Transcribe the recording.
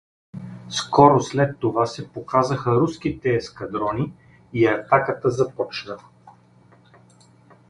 Скоро след това се показаха руските ескадрони и атаката започна.